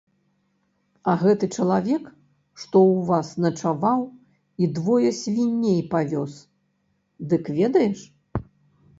А гэты чалавек, што ў вас начаваў і двое свіней павёз, дык ведаеш?